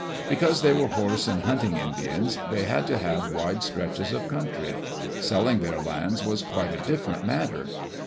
Because they were horse and hunting Indians, they had to have wide stretches of country. Selling their lands was quite a different matter.